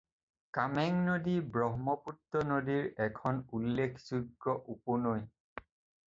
কামেং নদী ব্ৰহ্মপুত্ৰ নদীৰ এখন উল্লেখযোগ্য উপনৈ।